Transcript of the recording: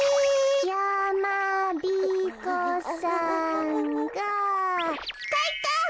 やまびこさんがかいか！